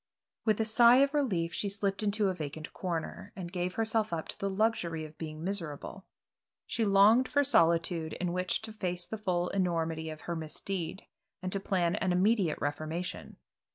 With a sigh of relief she slipped into a vacant corner, and gave herself up to the luxury of being miserable. She longed for solitude in which to face the full enormity of her misdeed, and to plan an immediate reformation.